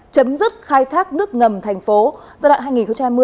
chấm dứt khai thác nước ngầm tp hcm giai đoạn hai nghìn hai mươi hai nghìn ba mươi